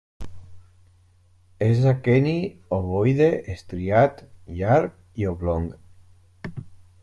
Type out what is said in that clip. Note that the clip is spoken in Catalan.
És aqueni, ovoide, estriat, llarg i oblong.